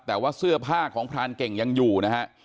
แต่ว่าเสื้อผ้าของพรานเก่งยังอยู่นะฮะ